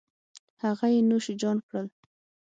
هغه یې نوش جان کړل